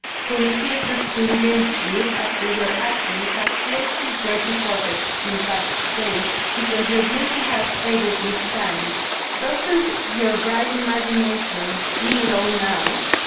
who refuses to engage you after your acting has filled his dirty pockets in past days because your beauty has faded with time. Doesn't your bright imagination see it all now?